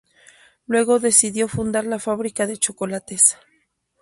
Luego decidió fundar la fábrica de chocolates.